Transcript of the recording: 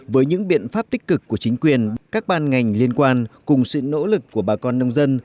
với những biện pháp tích cực của chính quyền các ban ngành liên quan cùng sự nỗ lực của bà con nông dân